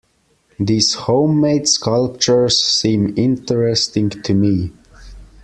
These home-made sculptures seem interesting to me.